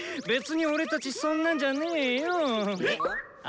別に俺たちそんなんじゃねぇよ。